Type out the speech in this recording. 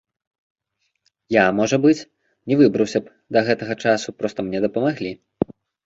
Я, можа быць, не выбраўся б да гэтага часу, проста мне дапамаглі.